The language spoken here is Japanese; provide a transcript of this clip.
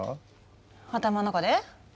頭の中で？